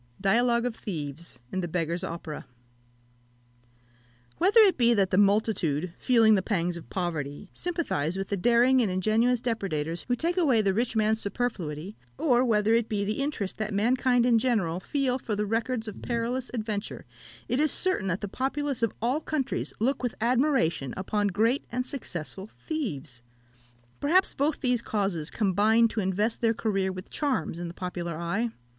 Dialogue of Thieves in the Beggar's Opera. Whether it be that the multitude, feeling the pangs of poverty, sympathise with the daring and ingenious depredators who take away the rich man's superfluity, or whether it be the interest that mankind in general feel for the records of perilous adventure, it is certain that the populace of all countries look with admiration upon great and successful thieves. Perhaps both these causes combine to invest their career with charms in the popular eye.